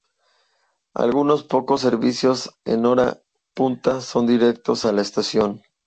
Algunos pocos servicios en hora punta son directos a la estación.